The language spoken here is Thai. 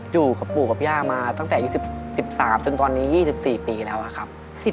อยู่กับปู่กับย่ามาตั้งแต่อายุ๑๓จนตอนนี้๒๔ปีแล้วนะครับ